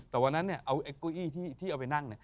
แต่วันนั้นเอาเก้าอี้ที่เอาไปนั่ง